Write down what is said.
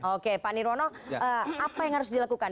oke pak nirwono apa yang harus dilakukan